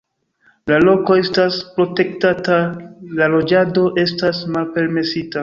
La loko estas protektata, la loĝado estas malpermesita.